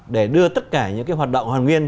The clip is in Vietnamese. để đưa tất cả những hoạt động hoàn nguyên